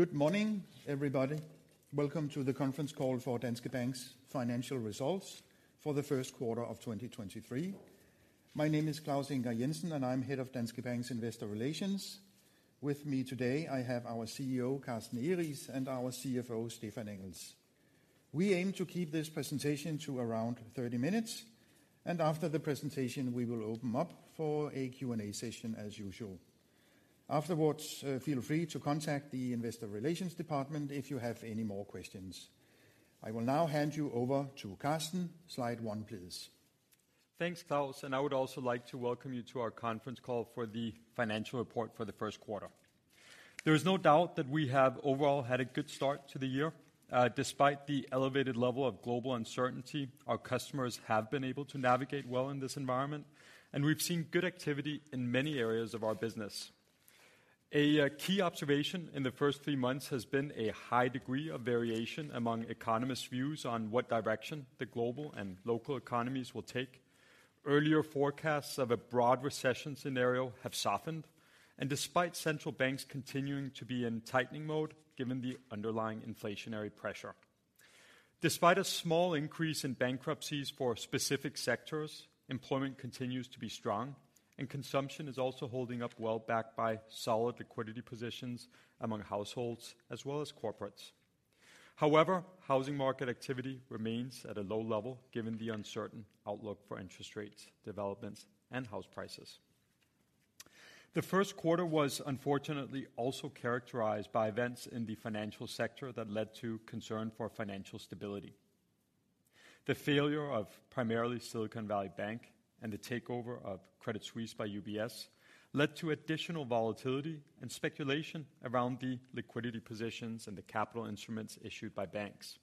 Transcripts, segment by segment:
Good morning, everybody. Welcome to the conference call for Danske Bank's financial results for the first quarter of 2023. My name is Claus Ingar Jensen, I'm Head of Danske Bank's Investor Relations. With me today I have our CEO, Carsten Egeriis, and our CFO, Stephan Engels. We aim to keep this presentation to around 30 minutes, after the presentation we will open up for a Q&A session as usual. Afterwards, feel free to contact the Investor Relations department if you have any more questions. I will now hand you over to Carsten. Slide one, please. Thanks, Claus. I would also like to welcome you to our conference call for the financial report for the first quarter. There is no doubt that we have overall had a good start to the year. Despite the elevated level of global uncertainty, our customers have been able to navigate well in this environment, and we've seen good activity in many areas of our business. A key observation in the first three months has been a high degree of variation among economists' views on what direction the global and local economies will take. Earlier forecasts of a broad recession scenario have softened, despite central banks continuing to be in tightening mode given the underlying inflationary pressure. Despite a small increase in bankruptcies for specific sectors, employment continues to be strong, and consumption is also holding up well, backed by solid liquidity positions among households as well as corporates. However, housing market activity remains at a low level given the uncertain outlook for interest rates, developments, and house prices. The first quarter was unfortunately also characterized by events in the financial sector that led to concern for financial stability. The failure of primarily Silicon Valley Bank and the takeover of Credit Suisse by UBS led to additional volatility and speculation around the liquidity positions and the capital instruments issued by banks.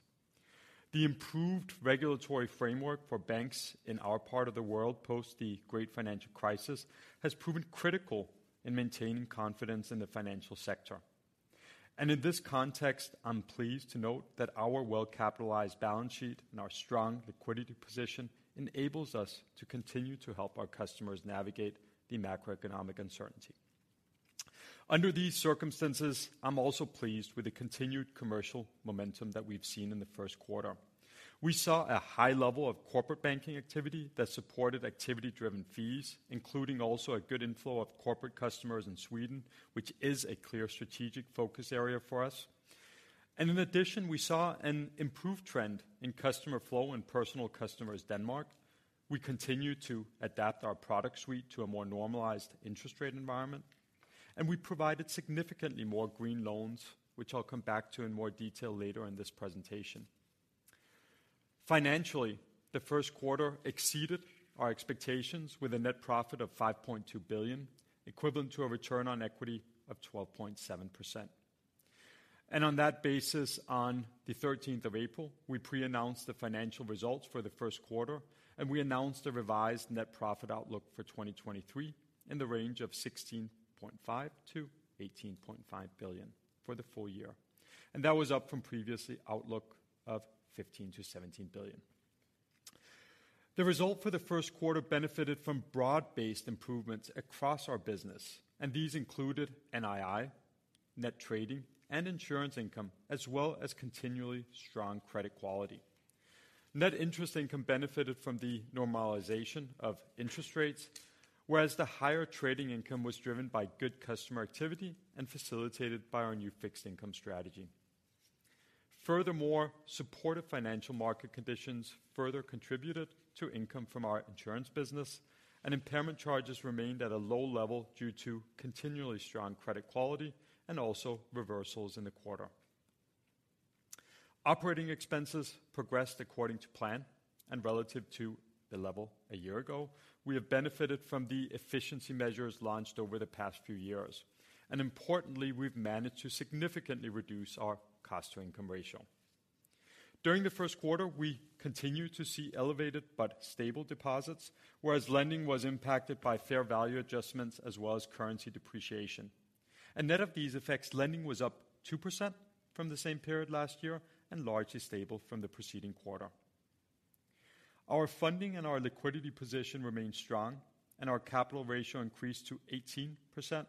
The improved regulatory framework for banks in our part of the world post the great financial crisis has proven critical in maintaining confidence in the financial sector. In this context, I'm pleased to note that our well-capitalized balance sheet and our strong liquidity position enables us to continue to help our customers navigate the macroeconomic uncertainty. Under these circumstances, I'm also pleased with the continued commercial momentum that we've seen in the first quarter. We saw a high level of corporate banking activity that supported activity-driven fees, including also a good inflow of corporate customers in Sweden, which is a clear strategic focus area for us. In addition, we saw an improved trend in customer flow in Personal Customers Denmark. We continue to adapt our product suite to a more normalized interest rate environment, and we provided significantly more green loans, which I'll come back to in more detail later in this presentation. Financially, the first quarter exceeded our expectations with a net profit of 5.2 billion, equivalent to a return on equity of 12.7%. On that basis, on the 13th of April, we pre-announced the financial results for the first quarter, we announced a revised net profit outlook for 2023 in the range of 16.5 billion-18.5 billion for the full year. That was up from previous outlook of 15 billion-17 billion. The result for the first quarter benefited from broad-based improvements across our business, these included NII, net trading, and insurance income, as well as continually strong credit quality. Net interest income benefited from the normalization of interest rates, whereas the higher trading income was driven by good customer activity and facilitated by our new fixed income strategy. Furthermore, supportive financial market conditions further contributed to income from our insurance business, and impairment charges remained at a low level due to continually strong credit quality and also reversals in the quarter. Operating expenses progressed according to plan and relative to the level a year ago. We have benefited from the efficiency measures launched over the past few years, and importantly, we've managed to significantly reduce our cost-to-income ratio. During the first quarter, we continued to see elevated but stable deposits, whereas lending was impacted by fair value adjustments as well as currency depreciation. Net of these effects, lending was up 2% from the same period last year and largely stable from the preceding quarter. Our funding and our liquidity position remain strong, and our capital ratio increased to 18%,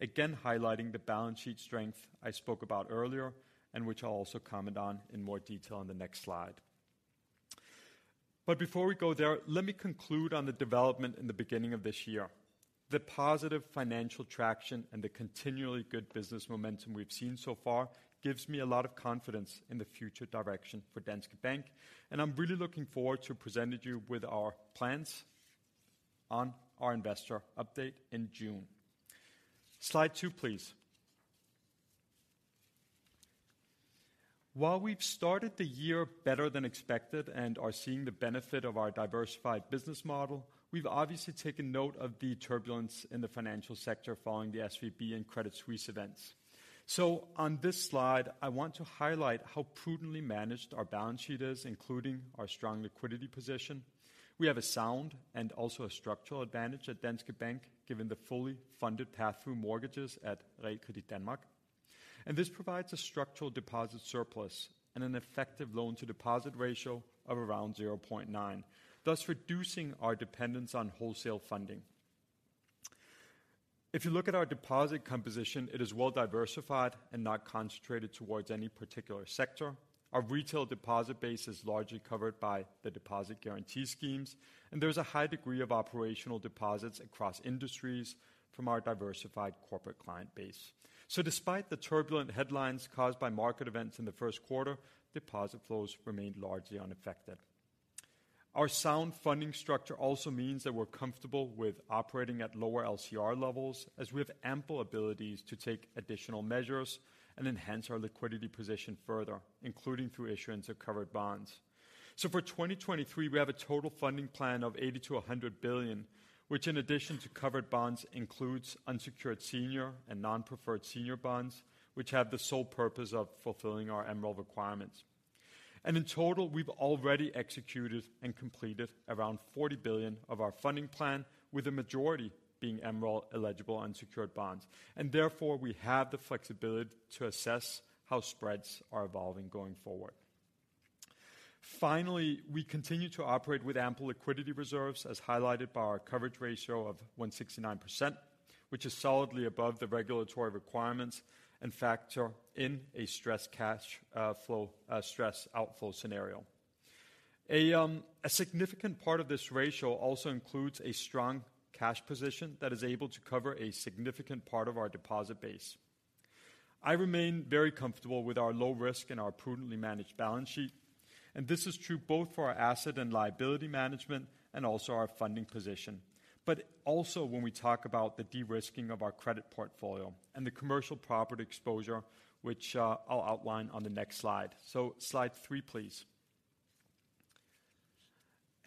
again highlighting the balance sheet strength I spoke about earlier and which I'll also comment on in more detail on the next slide. Before we go there, let me conclude on the development in the beginning of this year. The positive financial traction and the continually good business momentum we've seen so far gives me a lot of confidence in the future direction for Danske Bank, and I'm really looking forward to presenting you with our plans on our investor update in June. Slide two, please. While we've started the year better than expected and are seeing the benefit of our diversified business model, we've obviously taken note of the turbulence in the financial sector following the SVB and Credit Suisse events. On this slide, I want to highlight how prudently managed our balance sheet is, including our strong liquidity position. We have a sound and also a structural advantage at Danske Bank, given the fully funded path through mortgages at Realkredit Danmark, and this provides a structural deposit surplus and an effective loan-to-deposit ratio of around 0.9x, thus reducing our dependence on wholesale funding. If you look at our deposit composition, it is well diversified and not concentrated towards any particular sector. Our retail deposit base is largely covered by the deposit guarantee schemes, and there's a high degree of operational deposits across industries from our diversified corporate client base. Despite the turbulent headlines caused by market events in the first quarter, deposit flows remained largely unaffected. Our sound funding structure also means that we're comfortable with operating at lower LCR levels as we have ample abilities to take additional measures and enhance our liquidity position further, including through issuance of covered bonds. For 2023, we have a total funding plan of 80 billion-100 billion, which in addition to covered bonds, includes unsecured senior and non-preferred senior bonds, which have the sole purpose of fulfilling our MREL requirements. In total, we've already executed and completed around 40 billion of our funding plan, with the majority being MREL-eligible unsecured bonds, and therefore, we have the flexibility to assess how spreads are evolving going forward. Finally, we continue to operate with ample liquidity reserves, as highlighted by our coverage ratio of 169%, which is solidly above the regulatory requirements and factor in a stress cash flow stress outflow scenario. A significant part of this ratio also includes a strong cash position that is able to cover a significant part of our deposit base. I remain very comfortable with our low risk and our prudently managed balance sheet, and this is true both for our asset and liability management and also our funding position. When we talk about the de-risking of our credit portfolio and the commercial property exposure, which I'll outline on the next slide. Slide three, please.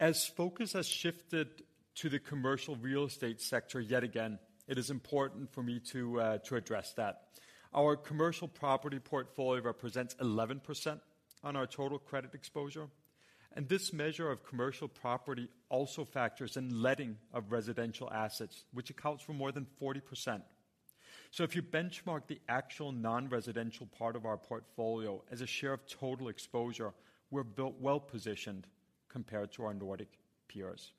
As focus has shifted to the commercial real estate sector yet again, it is important for me to address that. Our commercial property portfolio represents 11% on our total credit exposure, and this measure of commercial property also factors in letting of residential assets, which accounts for more than 40%. If you benchmark the actual non-residential part of our portfolio as a share of total exposure, we're built well-positioned compared to our Nordic peers.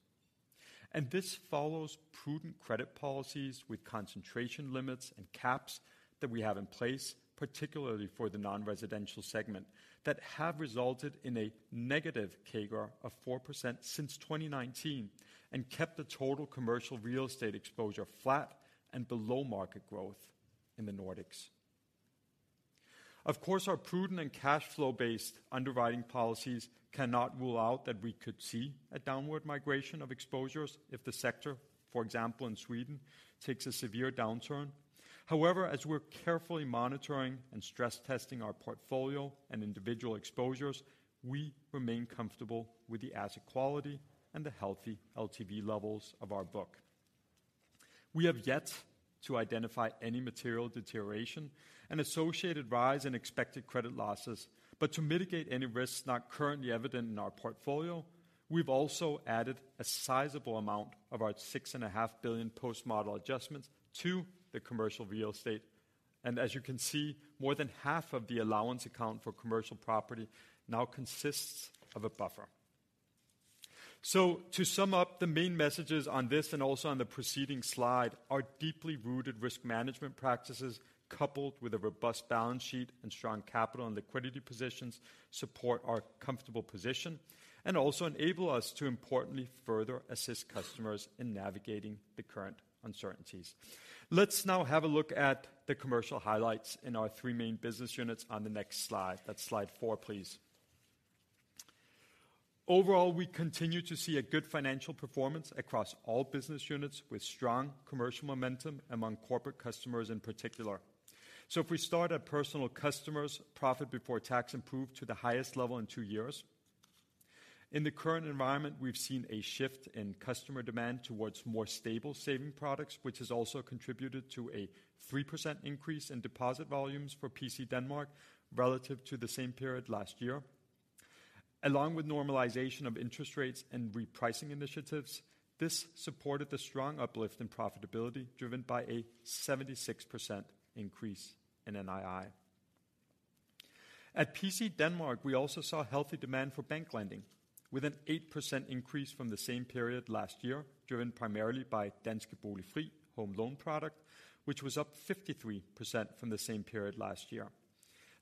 This follows prudent credit policies with concentration limits and caps that we have in place, particularly for the non-residential segment, that have resulted in a negative CAGR of 4% since 2019, and kept the total commercial real estate exposure flat and below market growth in the Nordics. Of course, our prudent and cash flow-based underwriting policies cannot rule out that we could see a downward migration of exposures if the sector, for example, in Sweden, takes a severe downturn. However, as we're carefully monitoring and stress testing our portfolio and individual exposures, we remain comfortable with the asset quality and the healthy LTV levels of our book. We have yet to identify any material deterioration and associated rise in expected credit losses, but to mitigate any risks not currently evident in our portfolio, we've also added a sizable amount of our 6.5 billion post-model adjustments to the commercial real estate. As you can see, more than half of the allowance account for commercial property now consists of a buffer. To sum up the main messages on this and also on the preceding slide, our deeply rooted risk management practices, coupled with a robust balance sheet and strong capital and liquidity positions, support our comfortable position and also enable us to importantly further assist customers in navigating the current uncertainties. Let's now have a look at the commercial highlights in our three main business units on the next slide. That's slide four, please. Overall, we continue to see a good financial performance across all business units with strong commercial momentum among corporate customers in particular. If we start at Personal Customers, profit before tax improved to the highest level in two years. In the current environment, we've seen a shift in customer demand towards more stable saving products, which has also contributed to a 3% increase in deposit volumes for PC Denmark relative to the same period last year. Along with normalization of interest rates and repricing initiatives, this supported the strong uplift in profitability, driven by a 76% increase in NII. At PC Denmark, we also saw healthy demand for bank lending, with an 8% increase from the same period last year, driven primarily by Danske Bolig Fri home loan product, which was up 53% from the same period last year.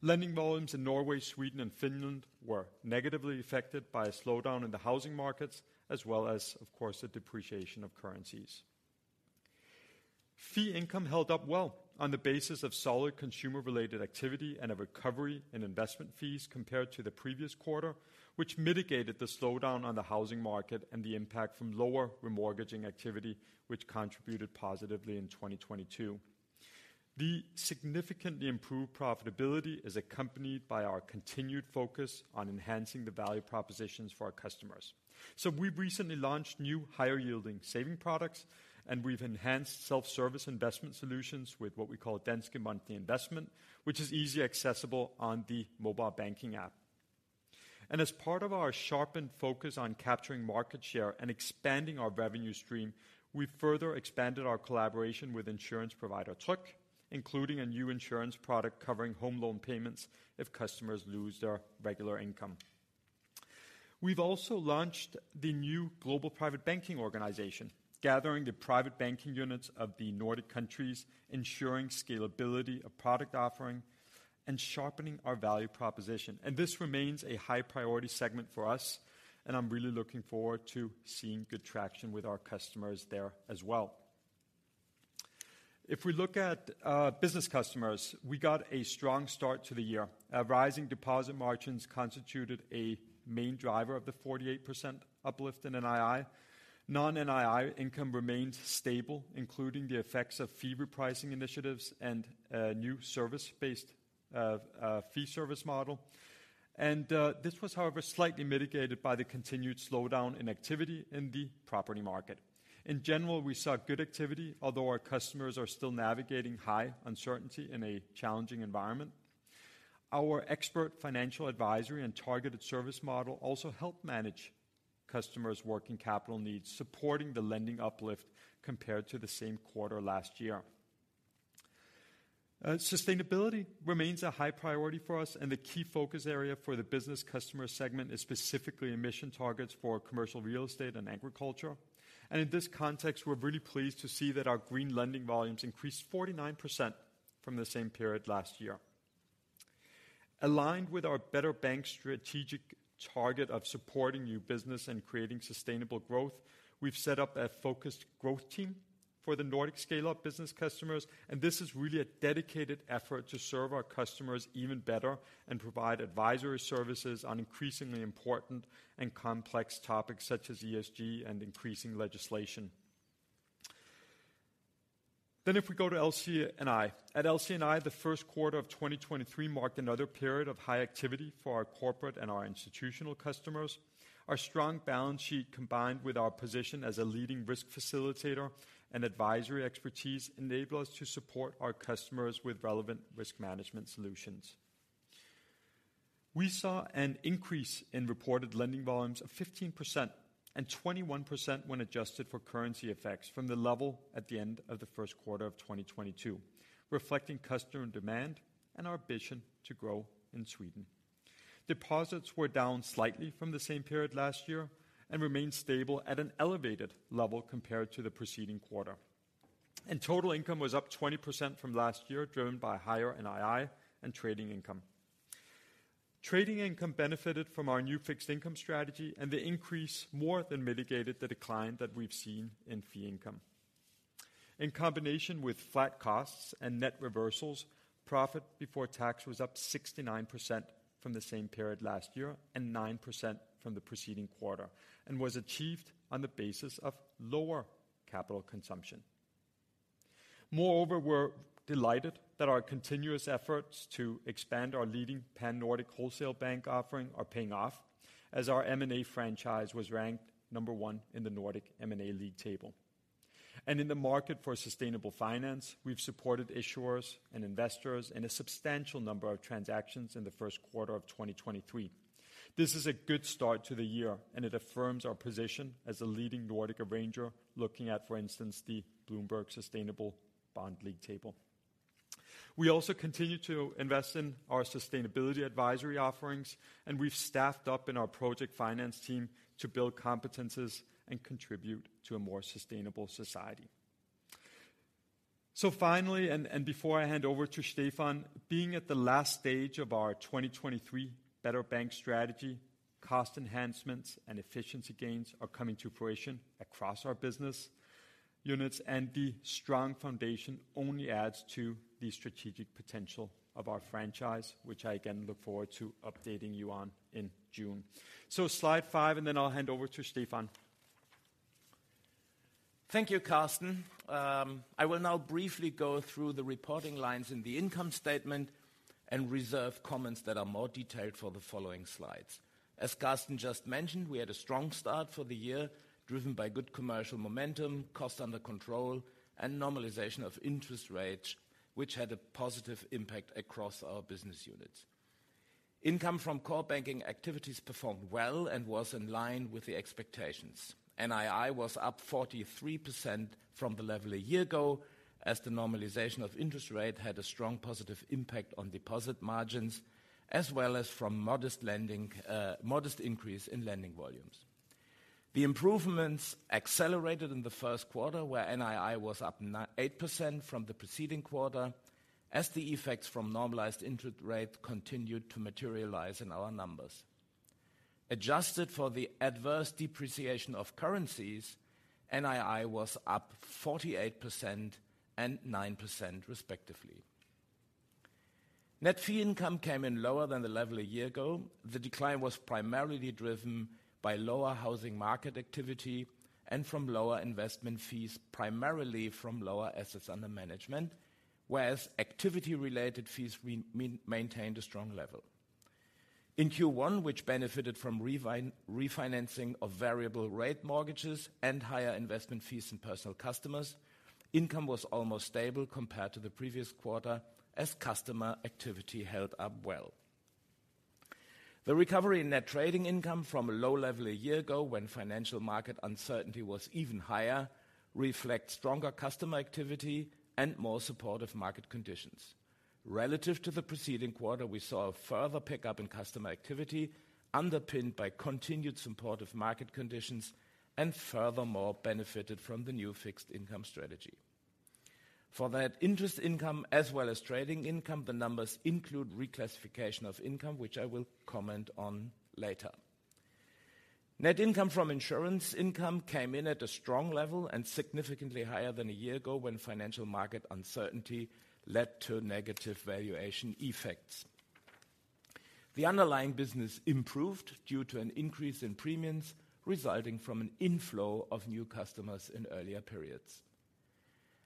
Lending volumes in Norway, Sweden, and Finland were negatively affected by a slowdown in the housing markets, as well as, of course, the depreciation of currencies. Fee income held up well on the basis of solid consumer-related activity and a recovery in investment fees compared to the previous quarter, which mitigated the slowdown on the housing market and the impact from lower remortgaging activity, which contributed positively in 2022. The significantly improved profitability is accompanied by our continued focus on enhancing the value propositions for our customers. We've recently launched new higher-yielding saving products, and we've enhanced self-service investment solutions with what we call Danske Monthly Investment, which is easily accessible on the mobile banking app. As part of our sharpened focus on capturing market share and expanding our revenue stream, we further expanded our collaboration with insurance provider Tryg, including a new insurance product covering home loan payments if customers lose their regular income. We've also launched the new global private banking organization, gathering the private banking units of the Nordic countries, ensuring scalability of product offering, and sharpening our value proposition. This remains a high-priority segment for us, and I'm really looking forward to seeing good traction with our customers there as well. If we look at Business Customers, we got a strong start to the year. Rising deposit margins constituted a main driver of the 48% uplift in NII. Non-NII income remained stable, including the effects of fee repricing initiatives and new service-based fee service model. This was however slightly mitigated by the continued slowdown in activity in the property market. In general, we saw good activity, although our customers are still navigating high uncertainty in a challenging environment. Our expert financial advisory and targeted service model also helped manage customers' working capital needs, supporting the lending uplift compared to the same quarter last year. Sustainability remains a high priority for us, and the key focus area for the Business Customers segment is specifically emission targets for commercial real estate and agriculture. In this context, we're really pleased to see that our green lending volumes increased 49% from the same period last year. Aligned with our Better Bank strategic target of supporting new business and creating sustainable growth, we've set up a focused growth team for the Nordic scale-up business customers. This is really a dedicated effort to serve our customers even better and provide advisory services on increasingly important and complex topics such as ESG and increasing legislation. If we go to LC&I. At LC&I, the first quarter of 2023 marked another period of high activity for our corporate and our institutional customers. Our strong balance sheet, combined with our position as a leading risk facilitator and advisory expertise, enable us to support our customers with relevant risk management solutions. We saw an increase in reported lending volumes of 15% and 21% when adjusted for currency effects from the level at the end of the first quarter of 2022, reflecting customer demand and our ambition to grow in Sweden. Deposits were down slightly from the same period last year and remained stable at an elevated level compared to the preceding quarter. Total income was up 20% from last year, driven by higher NII and trading income. Trading income benefited from our new fixed income strategy, and the increase more than mitigated the decline that we've seen in fee income. In combination with flat costs and net reversals, profit before tax was up 69% from the same period last year and 9% from the preceding quarter, and was achieved on the basis of lower capital consumption. Moreover, we're delighted that our continuous efforts to expand our leading pan-Nordic wholesale bank offering are paying off as our M&A franchise was ranked number one in the Nordic M&A league table. In the market for sustainable finance, we've supported issuers and investors in a substantial number of transactions in the first quarter of 2023. This is a good start to the year, and it affirms our position as a leading Nordic arranger, looking at, for instance, the Bloomberg Sustainable Bond League Table. We also continue to invest in our sustainability advisory offerings, and we've staffed up in our project finance team to build competencies and contribute to a more sustainable society. Finally, and before I hand over to Stephan, being at the last stage of our 2023 Better Bank strategy, cost enhancements and efficiency gains are coming to fruition across our business units, and the strong foundation only adds to the strategic potential of our franchise, which I again look forward to updating you on in June. Slide five, and then I'll hand over to Stephan. Thank you, Carsten. I will now briefly go through the reporting lines in the income statement and reserve comments that are more detailed for the following slides. As Carsten just mentioned, we had a strong start for the year, driven by good commercial momentum, cost under control, and normalization of interest rates, which had a positive impact across our business units. Income from core banking activities performed well and was in line with the expectations. NII was up 43% from the level a year ago as the normalization of interest rate had a strong positive impact on deposit margins, as well as from modest lending, modest increase in lending volumes. The improvements accelerated in the first quarter, where NII was up 8% from the preceding quarter as the effects from normalized interest rate continued to materialize in our numbers. Adjusted for the adverse depreciation of currencies, NII was up 48% and 9% respectively. Net fee income came in lower than the level a year ago. The decline was primarily driven by lower housing market activity and from lower investment fees, primarily from lower assets under management, whereas activity-related fees maintained a strong level. In Q1, which benefited from refinancing of variable rate mortgages and higher investment fees in Personal Customers, income was almost stable compared to the previous quarter as customer activity held up well. The recovery in net trading income from a low level a year ago, when financial market uncertainty was even higher, reflect stronger customer activity and more supportive market conditions. Relative to the preceding quarter, we saw a further pickup in customer activity underpinned by continued supportive market conditions and furthermore benefited from the new fixed income strategy. For that interest income as well as trading income, the numbers include reclassification of income, which I will comment on later. Net income from insurance income came in at a strong level and significantly higher than a year ago when financial market uncertainty led to negative valuation effects. The underlying business improved due to an increase in premiums resulting from an inflow of new customers in earlier periods.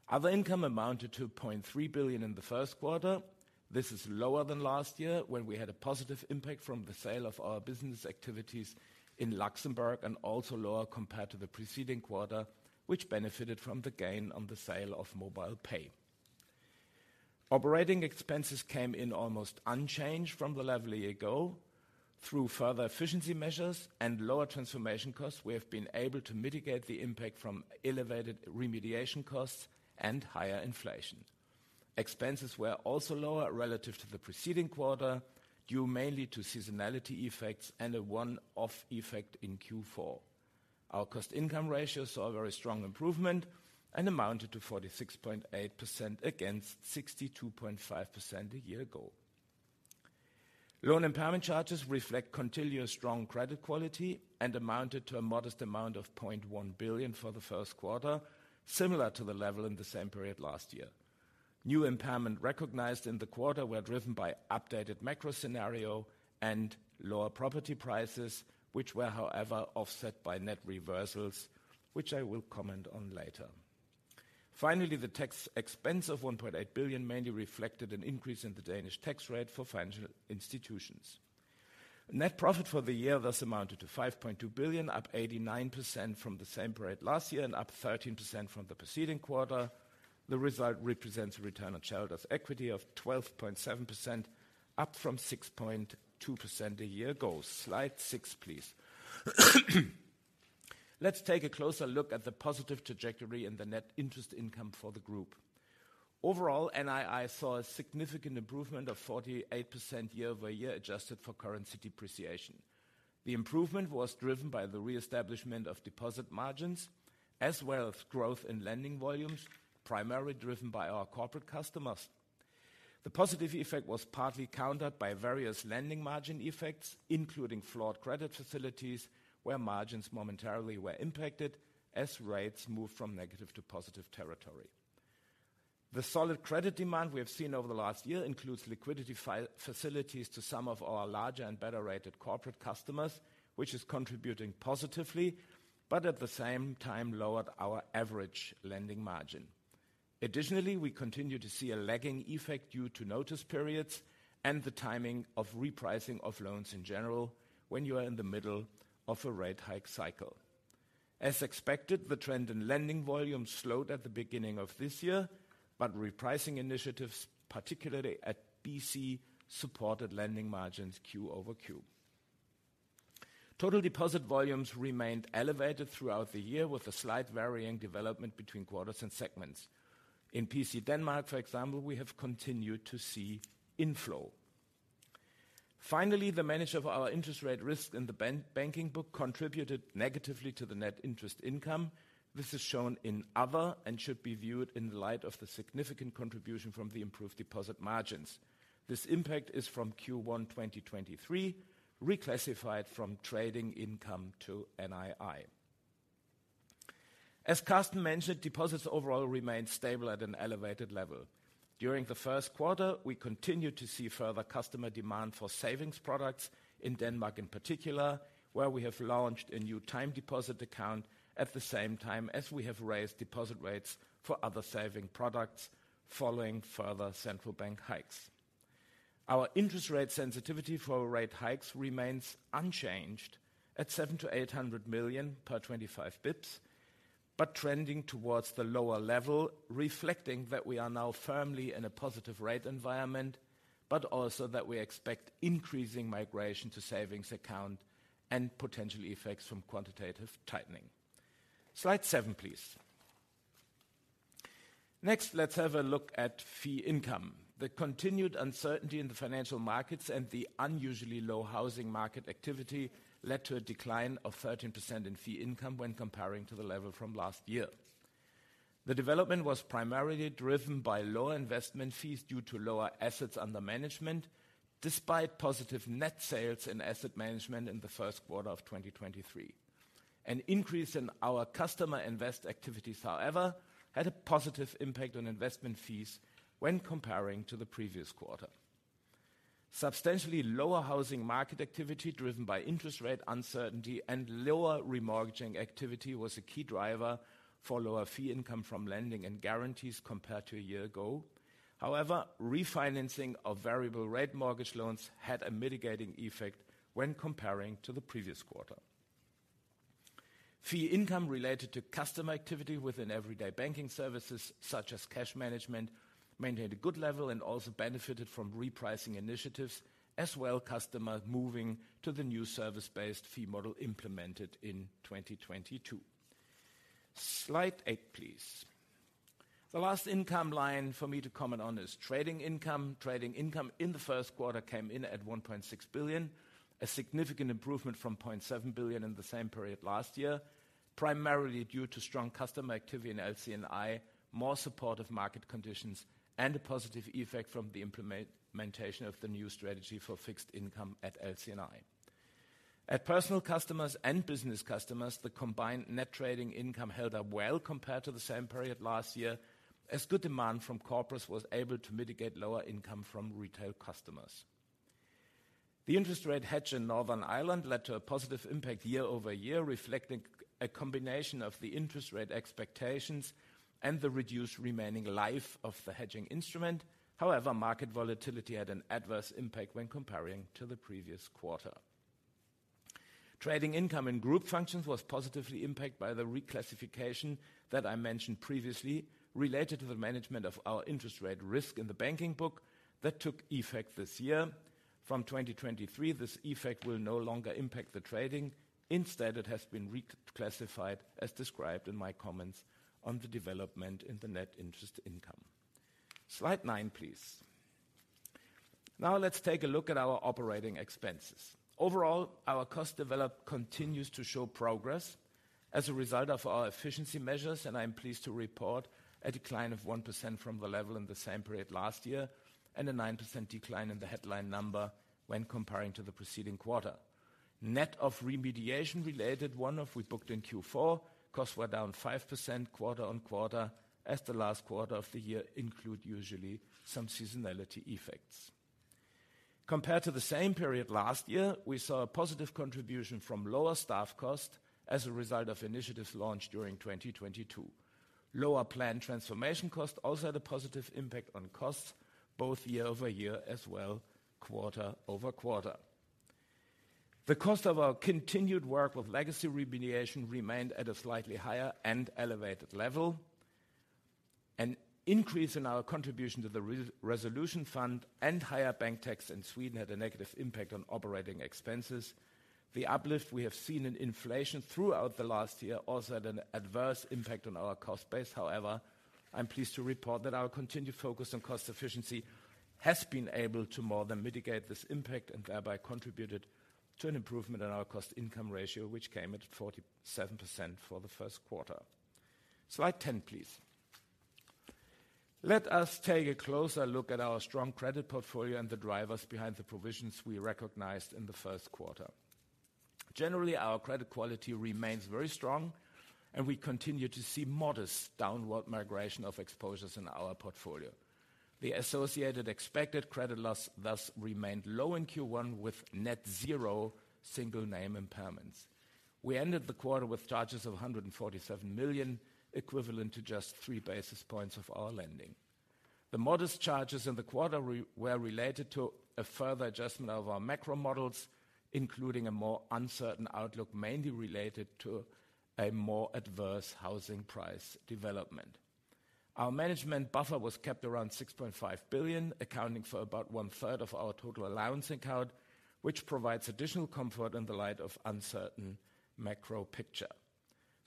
Other income amounted to 0.3 billion in the first quarter. This is lower than last year when we had a positive impact from the sale of our business activities in Luxembourg and also lower compared to the preceding quarter, which benefited from the gain on the sale of MobilePay. Operating expenses came in almost unchanged from the level a year ago. Through further efficiency measures and lower transformation costs, we have been able to mitigate the impact from elevated remediation costs and higher inflation. Expenses were also lower relative to the preceding quarter, due mainly to seasonality effects and a one-off effect in Q4. Our cost-income ratio saw a very strong improvement and amounted to 46.8% against 62.5% a year ago. Loan impairment charges reflect continuous strong credit quality and amounted to a modest amount of 0.1 billion for the first quarter, similar to the level in the same period last year. New impairment recognized in the quarter were driven by updated macro scenario and lower property prices, which were, however, offset by net reversals, which I will comment on later. Finally, the tax expense of 1.8 billion mainly reflected an increase in the Danish tax rate for financial institutions. Net profit for the year thus amounted to 5.2 billion, up 89% from the same period last year and up 13% from the preceding quarter. The result represents a return on shareholders' equity of 12.7%, up from 6.2% a year ago. Slide six, please. Let's take a closer look at the positive trajectory in the net interest income for the group. Overall, NII saw a significant improvement of 48% year-over-year adjusted for currency depreciation. The improvement was driven by the reestablishment of deposit margins as well as growth in lending volumes, primarily driven by our corporate customers. The positive effect was partly countered by various lending margin effects, including flawed credit facilities, where margins momentarily were impacted as rates moved from negative to positive territory. The solid credit demand we have seen over the last year includes liquidity facilities to some of our larger and better-rated corporate customers, which is contributing positively, at the same time lowered our average lending margin. Additionally, we continue to see a lagging effect due to notice periods and the timing of repricing of loans in general when you are in the middle of a rate hike cycle. As expected, the trend in lending volumes slowed at the beginning of this year, repricing initiatives, particularly at BC, supported lending margins QoQ. Total deposit volumes remained elevated throughout the year with a slight varying development between quarters and segments. In PC Denmark, for example, we have continued to see inflow. Finally, the manage of our interest rate risk in the banking book contributed negatively to the net interest income. This is shown in other and should be viewed in light of the significant contribution from the improved deposit margins. This impact is from Q1, 2023, reclassified from trading income to NII. As Carsten mentioned, deposits overall remained stable at an elevated level. During the first quarter, we continued to see further customer demand for savings products in Denmark in particular, where we have launched a new time deposit account at the same time as we have raised deposit rates for other saving products following further central bank hikes. Our interest rate sensitivity for rate hikes remains unchanged at 700 million-800 million per 25 basis points, but trending towards the lower level, reflecting that we are now firmly in a positive rate environment, but also that we expect increasing migration to savings account and potential effects from quantitative tightening. Slide seven, please. Next, let's have a look at fee income. The continued uncertainty in the financial markets and the unusually low housing market activity led to a decline of 13% in fee income when comparing to the level from last year. The development was primarily driven by lower investment fees due to lower assets under management, despite positive net sales in asset management in the first quarter of 2023. An increase in our customer invest activities, however, had a positive impact on investment fees when comparing to the previous quarter. Substantially lower housing market activity driven by interest rate uncertainty and lower remortgaging activity was a key driver for lower fee income from lending and guarantees compared to a year ago. However, refinancing of variable rate mortgage loans had a mitigating effect when comparing to the previous quarter. Fee income related to customer activity within everyday banking services such as cash management maintained a good level and also benefited from repricing initiatives, as well customers moving to the new service-based fee model implemented in 2022. Slide eight, please. The last income line for me to comment on is trading income. Trading income in the first quarter came in at 1.6 billion, a significant improvement from 0.7 billion in the same period last year, primarily due to strong customer activity in LC&I, more supportive market conditions, and a positive effect from the implementation of the new strategy for fixed income at LC&I. At Personal Customers and Business Customers, the combined net trading income held up well compared to the same period last year, as good demand from corporates was able to mitigate lower income from retail customers. The interest rate hedge in Northern Ireland led to a positive impact year-over-year, reflecting a combination of the interest rate expectations and the reduced remaining life of the hedging instrument. However, market volatility had an adverse impact when comparing to the previous quarter. Trading income in Group Functions was positively impacted by the reclassification that I mentioned previously, related to the management of our interest rate risk in the banking book that took effect this year. From 2023, this effect will no longer impact the trading. Instead, it has been reclassified as described in my comments on the development in the net interest income. Slide nine, please. Now let's take a look at our operating expenses. Overall, our cost develop continues to show progress as a result of our efficiency measures, and I am pleased to report a decline of 1% from the level in the same period last year, and a 9% decline in the headline number when comparing to the preceding quarter. Net of remediation related one-off we booked in Q4, costs were down 5% quarter-on-quarter as the last quarter of the year include usually some seasonality effects. Compared to the same period last year, we saw a positive contribution from lower staff cost as a result of initiatives launched during 2022. Lower planned transformation cost also had a positive impact on costs both year-over-year as well quarter-on-quarter. The cost of our continued work with legacy remediation remained at a slightly higher and elevated level. An increase in our contribution to the Resolution Fund and higher bank tax in Sweden had a negative impact on operating expenses. The uplift we have seen in inflation throughout the last year also had an adverse impact on our cost base. However, I'm pleased to report that our continued focus on cost efficiency has been able to more than mitigate this impact and thereby contributed to an improvement in our cost-income ratio, which came at 47% for the first quarter. Slide 10, please. Let us take a closer look at our strong credit portfolio and the drivers behind the provisions we recognized in the first quarter. Generally, our credit quality remains very strong, and we continue to see modest downward migration of exposures in our portfolio. The associated expected credit loss thus remained low in Q1 with net zero single name impairments. We ended the quarter with charges of 147 million, equivalent to just 3 basis points of our lending. The modest charges in the quarter were related to a further adjustment of our macro models, including a more uncertain outlook, mainly related to a more adverse housing price development. Our management buffer was kept around 6.5 billion, accounting for about 1/3 of our total allowance in count, which provides additional comfort in the light of uncertain macro picture.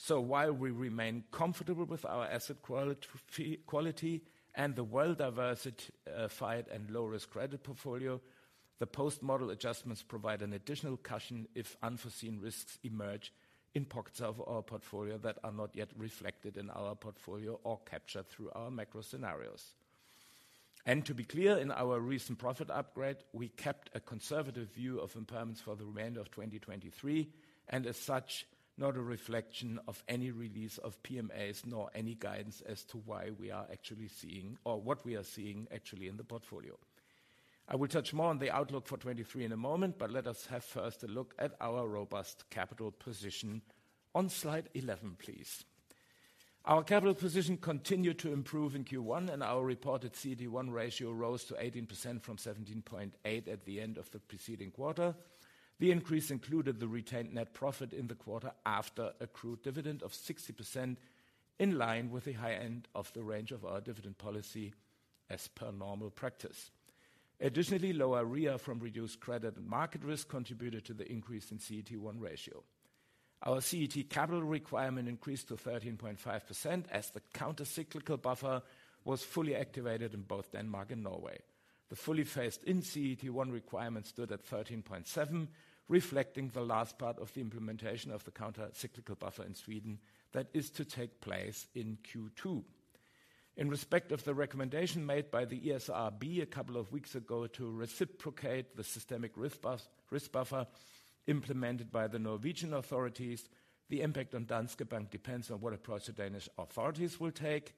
While we remain comfortable with our asset quality and the well-diversified and low-risk credit portfolio, the post-model adjustments provide an additional cushion if unforeseen risks emerge in pockets of our portfolio that are not yet reflected in our portfolio or captured through our macro scenarios. To be clear, in our recent profit upgrade, we kept a conservative view of impairments for the remainder of 2023, and as such, not a reflection of any release of PMAs nor any guidance as to why we are actually seeing or what we are seeing actually in the portfolio. I will touch more on the outlook for 2023 in a moment, let us have first a look at our robust capital position on slide 11, please. Our capital position continued to improve in Q1, our reported CET1 ratio rose to 18% from 17.8% at the end of the preceding quarter. The increase included the retained net profit in the quarter after accrued dividend of 60% in line with the high end of the range of our dividend policy as per normal practice. Additionally, lower REA from reduced credit and market risk contributed to the increase in CET1 ratio. Our CET1 capital requirement increased to 13.5% as the countercyclical buffer was fully activated in both Denmark and Norway. The fully phased-in CET1 requirement stood at 13.7%, reflecting the last part of the implementation of the countercyclical buffer in Sweden that is to take place in Q2. In respect of the recommendation made by the ESRB a couple weeks ago to reciprocate the systemic risk buffer implemented by the Norwegian authorities, the impact on Danske Bank depends on what approach the Danish authorities will take.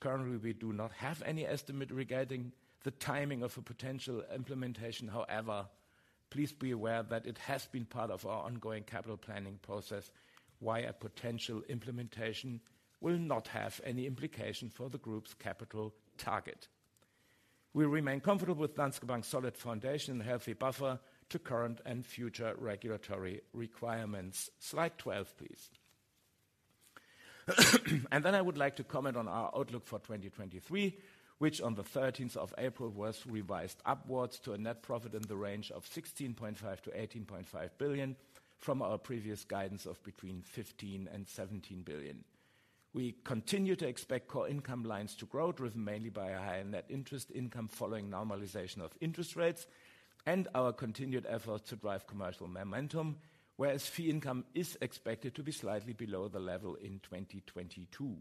Currently, we do not have any estimate regarding the timing of a potential implementation. However, please be aware that it has been part of our ongoing capital planning process why a potential implementation will not have any implication for the group's capital target. We remain comfortable with Danske Bank's solid foundation and healthy buffer to current and future regulatory requirements. Slide 12, please. I would like to comment on our outlook for 2023, which on the 13th of April was revised upwards to a net profit in the range of 16.5 billion-18.5 billion from our previous guidance of between 15 billion and 17 billion. We continue to expect core income lines to grow, driven mainly by a higher net interest income following normalization of interest rates and our continued effort to drive commercial momentum, whereas fee income is expected to be slightly below the level in 2022.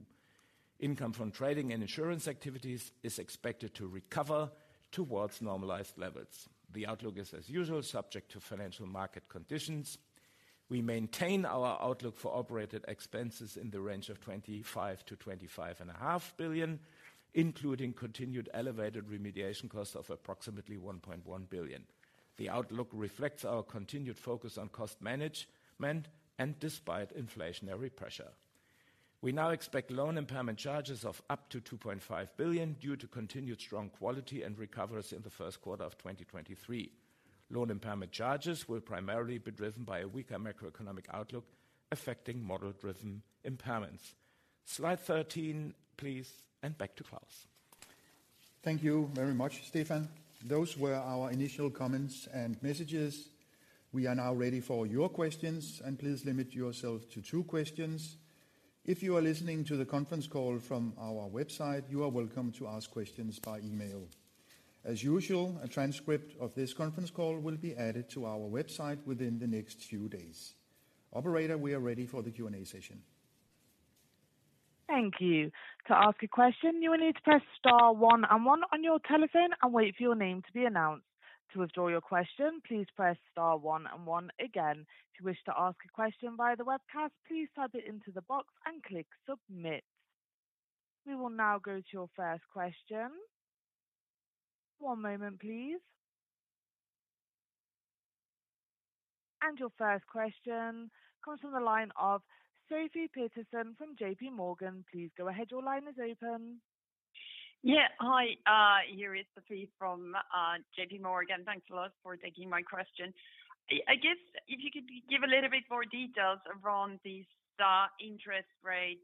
Income from trading and insurance activities is expected to recover towards normalized levels. The outlook is, as usual, subject to financial market conditions. We maintain our outlook for operated expenses in the range of 25 billion-25.5 billion, including continued elevated remediation costs of approximately 1.1 billion. The outlook reflects our continued focus on cost management and despite inflationary pressure. We now expect loan impairment charges of up to 2.5 billion due to continued strong quality and recoveries in the first quarter of 2023. Loan impairment charges will primarily be driven by a weaker macroeconomic outlook affecting model-driven impairments. Slide 13, please. Back to Claus. Thank you very much, Stephan. Those were our initial comments and messages. We are now ready for your questions. Please limit yourself to two questions. If you are listening to the conference call from our website, you are welcome to ask questions by email. As usual, a transcript of this conference call will be added to our website within the next few days. Operator, we are ready for the Q&A session. Thank you. To ask a question, you will need to press star one and one on your telephone and wait for your name to be announced. To withdraw your question, please press star one and one again. If you wish to ask a question via the webcast, please type it into the box and click "Submit." We will now go to your first question. One moment, please. Your first question comes from the line of Sofie Peterzens from JPMorgan. Please go ahead. Your line is open. Hi. Here is Sofie from JPMorgan. Thanks a lot for taking my question. I guess if you could give a little bit more details around this interest rate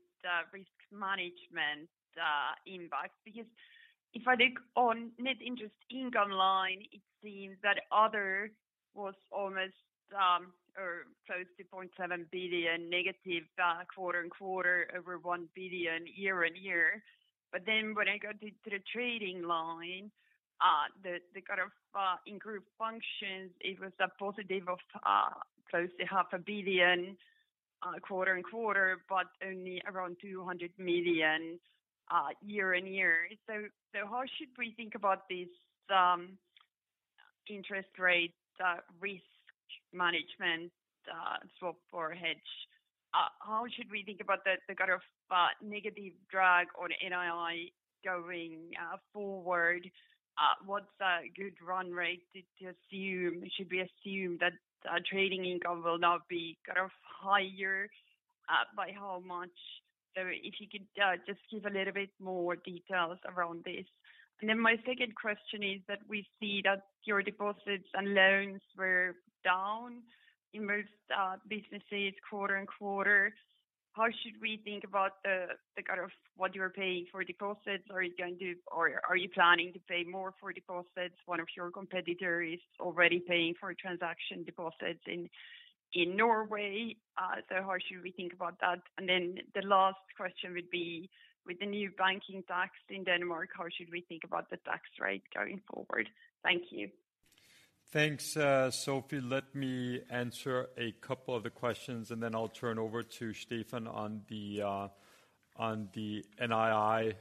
risk management impact. If I think on net interest income line, it seems that other was almost or close to 0.7 billion negative quarter-over-quarter over 1 billion year-over-year. When I go to the trading line, the kind of in Group Functions, it was a positive of close to 0.5 billion quarter-over-quarter, but only around 200 million year-over-year. How should we think about this interest rate risk management swap for hedge? How should we think about the kind of negative drag on NII going forward? What's a good run rate to assume? Should we assume that trading income will now be kind of higher? By how much? If you could just give a little bit more details around this. My second question is that we see that your deposits and loans were down in most businesses quarter-on-quarter. How should we think about the kind of what you're paying for deposits? Are you planning to pay more for deposits? One of your competitors already paying for transaction deposits in Norway. How should we think about that? The last question would be, with the new banking tax in Denmark, how should we think about the tax rate going forward? Thank you. Thanks, Sofie. Let me answer a couple of the questions, and then I'll turn over to Stephan on the NII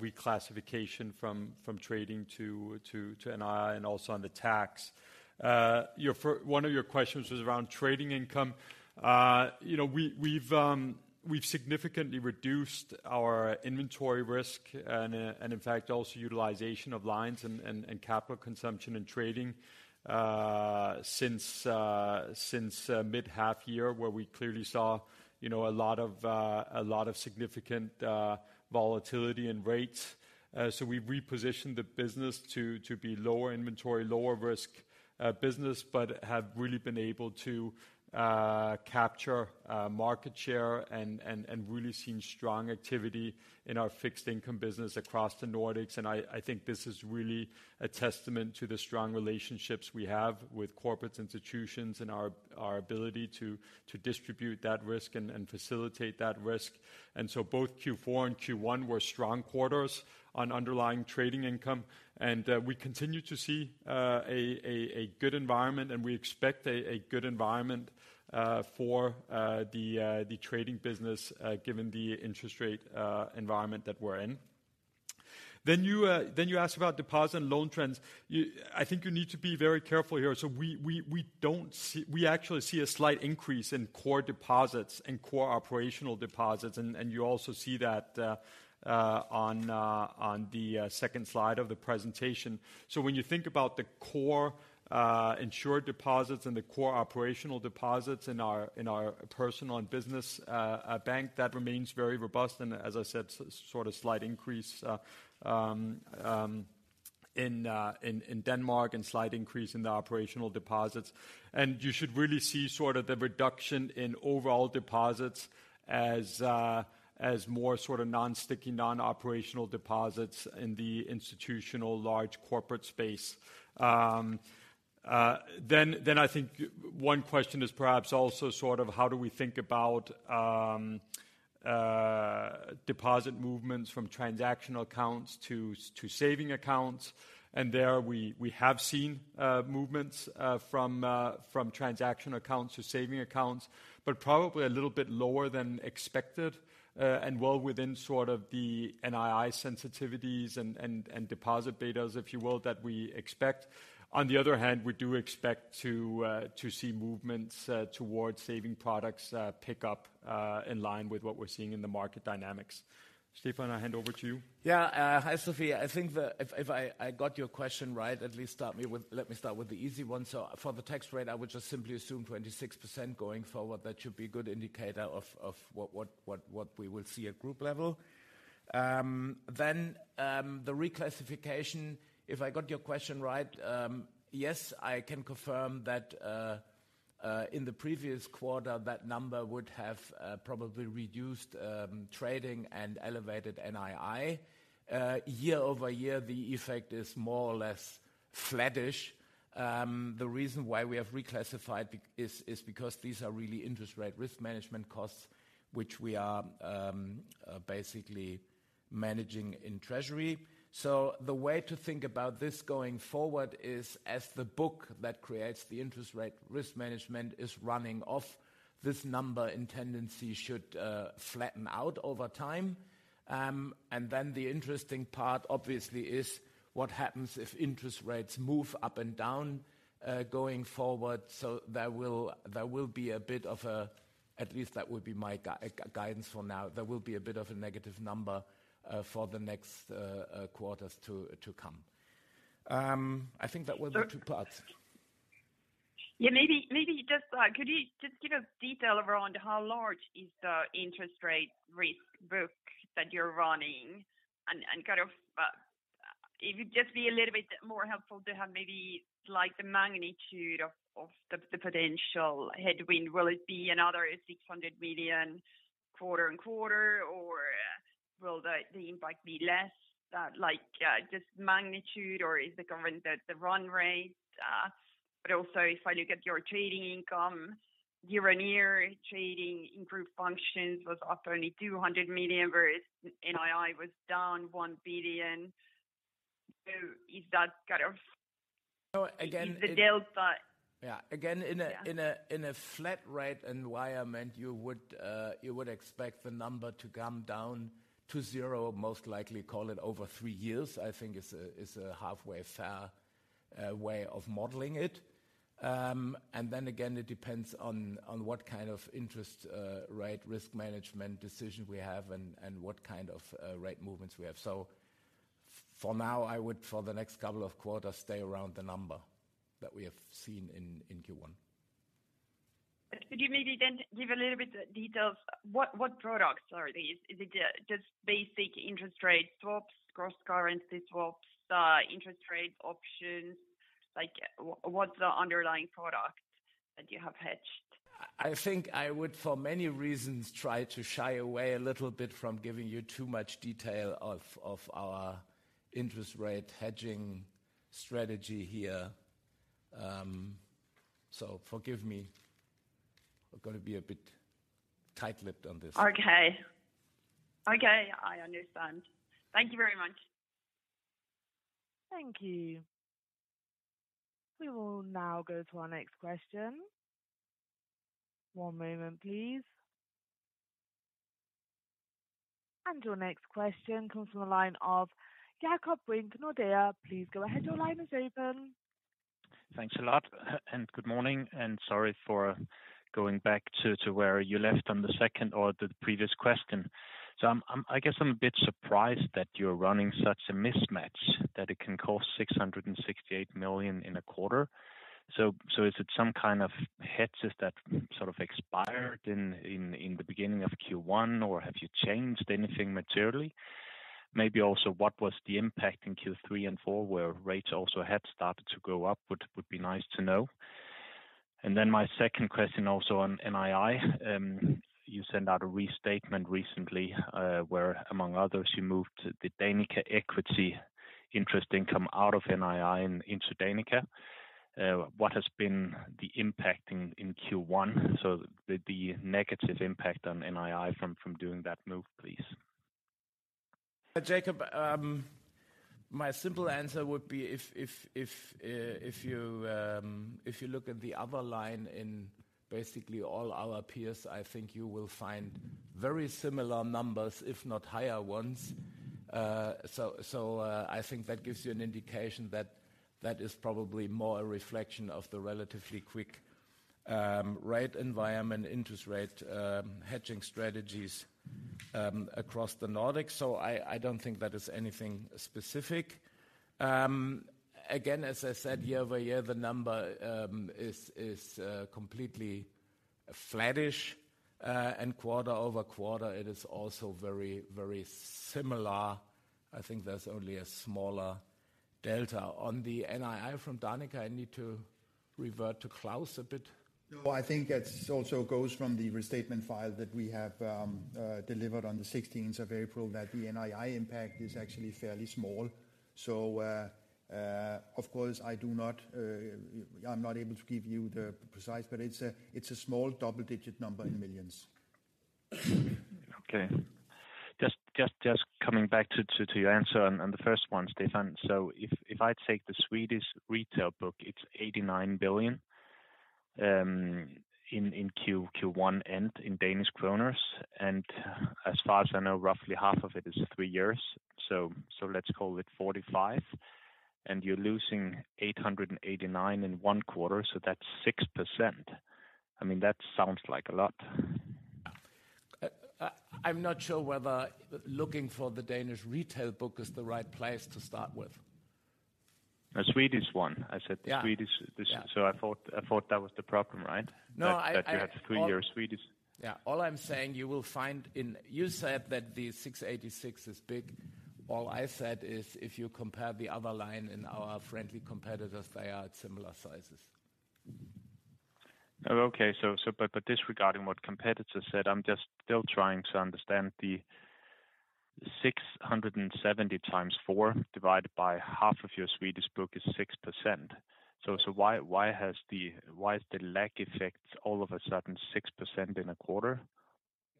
reclassification from trading to NII and also on the tax. One of your questions was around trading income. You know, we've significantly reduced our inventory risk and, in fact, also utilization of lines and capital consumption and trading since mid-half year where we clearly saw, you know, a lot of significant volatility in rates. We repositioned the business to be lower inventory, lower risk business, but have really been able to capture market share and really seen strong activity in our fixed income business across the Nordics. I think this is really a testament to the strong relationships we have with corporate institutions and our ability to distribute that risk and facilitate that risk. Both Q4 and Q1 were strong quarters on underlying trading income. We continue to see a good environment, and we expect a good environment for the trading business given the interest rate environment that we're in. You asked about deposit and loan trends. I think you need to be very careful here. We actually see a slight increase in core deposits and core operational deposits, and you also see that on the second slide of the presentation. When you think about the core insured deposits and the core operational deposits in our, in our personal and business bank, that remains very robust. As I said, sort of slight increase in Denmark and slight increase in the operational deposits. You should really see sort of the reduction in overall deposits as more sort of non-sticky, non-operational deposits in the institutional large corporate space. Then I think one question is perhaps also sort of how do we think about deposit movements from transactional accounts to saving accounts? There we have seen movements from transaction accounts to saving accounts, but probably a little bit lower than expected, and well within sort of the NII sensitivities and deposit betas, if you will, that we expect. On the other hand, we do expect to see movements towards saving products pick up in line with what we're seeing in the market dynamics. Stephan, I hand over to you. Yeah. Hi, Sofie. I think if I got your question right, let me start with the easy one. For the tax rate, I would just simply assume 26% going forward. That should be a good indicator of what we will see at group level. Then the reclassification, if I got your question right, yes, I can confirm that in the previous quarter, that number would have probably reduced trading and elevated NII. Year-over-year, the effect is more or less flattish. The reason why we have reclassified is because these are really interest rate risk management costs, which we are basically managing in Treasury. The way to think about this going forward is as the book that creates the interest rate risk management is running off this number in tendency should flatten out over time. Then the interesting part obviously is what happens if interest rates move up and down going forward. There will be a bit of a, at least that would be my guidance for now. There will be a bit of a negative number for the next quarters to come. I think that will be two parts. Yeah, maybe just, could you just give us detail around how large is the interest rate risk book that you're running and kind of, if you just be a little bit more helpful to have maybe like the magnitude of the potential headwind? Will it be another 600 million quarter-on-quarter or will the impact be less, like, just magnitude or is it going the run rate? Also, if I look at your trading income year-on-year, trading in Group Functions was up only 200 million, whereas NII was down 1 billion. Is that kind of— So again— Is the delta— Yeah. Again— Yeah. In a flat rate environment, you would expect the number to come down to zero. Most likely call it over three years, I think is a halfway fair way of modeling it. And then again it depends on what kind of interest rate risk management decision we have and what kind of rate movements we have. For now, I would, for the next couple of quarters, stay around the number that we have seen in Q1. Could you maybe then give a little bit details what products are these? Is it the just basic interest rate swaps, cross-currency swaps, interest rate options? Like what's the underlying product that you have hedged? I think I would for many reasons, try to shy away a little bit from giving you too much detail of our interest rate hedging strategy here. Forgive me. I'm gonna be a bit tight-lipped on this. Okay. Okay, I understand. Thank you very much. Thank you. We will now go to our next question. One moment please. Your next question comes from the line of Jakob Brink, Nordea. Please go ahead. Your line is open. Thanks a lot and good morning and sorry for going back to where you left on the second or the previous question. I'm, I guess I'm a bit surprised that you're running such a mismatch that it can cost 668 million in a quarter. Is it some kind of hedges that sort of expired in the beginning of Q1, or have you changed anything materially? Maybe also, what was the impact in Q3 and Q4, where rates also had started to go up? Would be nice to know. My second question also on NII. You sent out a restatement recently, where among others, you moved the Danica equity interest income out of NII and into Danica. What has been the impact in Q1? So, the negative impact on NII from doing that move, please. Jakob, my simple answer would be if you look at the other line in basically all our peers, I think you will find very similar numbers, if not higher ones. I think that gives you an indication that that is probably more a reflection of the relatively quick rate environment, interest rate, hedging strategies across the Nordics. I don't think that is anything specific. Again, as I said, year-over-year, the number is completely flattish. Quarter-over-quarter it is also very, very similar. I think there's only a smaller delta. On the NII from Danica, I need to revert to Claus a bit. I think that also goes from the restatement file that we have delivered on the 16th of April that the NII impact is actually fairly small. Of course, I do not, I'm not able to give you the precise, but it's a small double-digit number in millions. Okay. Just coming back to your answer on the first one, Stephan. If I take the Swedish retail book, it's 89 billion in Q1 and in Danish kroners. As far as I know, roughly half of it is three years. Let's call it 45, and you're losing 889 in one quarter, so that's 6%. I mean, that sounds like a lot. I'm not sure whether looking for the Danish retail book is the right place to start with. The Swedish one. I said the Swedish. Yeah. Yeah. I thought that was the problem, right? No, I— That you have three-year Swedish. Yeah. All I'm saying you will find in. You said that the 686 million is big. All I said is if you compare the other line in our friendly competitors, they are at similar sizes. Oh, okay. But disregarding what competitors said, I'm just still trying to understand the 670 times 4 divided by half of your Swedish book is 6%. Why, why is the lag effect all of a sudden 6% in a quarter?